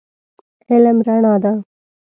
علم رڼا ده.